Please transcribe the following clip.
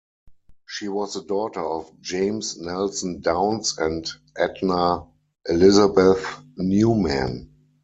She was the daughter of James Nelson Downs and Edna Elizabeth Newman.